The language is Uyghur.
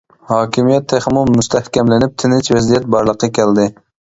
ھاكىمىيەت تېخىمۇ مۇستەھكەملىنىپ، تىنچ ۋەزىيەت بارلىققا كەلدى.